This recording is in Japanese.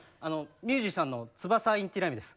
ミュージシャンのツバサ・インティライミです。